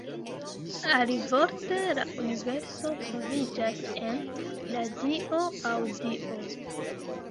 Alivorte, la universo troviĝas "en" la dio aŭ Dio.